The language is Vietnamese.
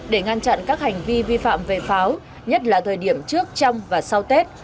để ngăn chặn các hành vi vi phạm về pháo nhất là thời điểm trước trong và sau tết